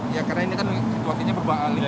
ya karena ini kan situasinya berbalik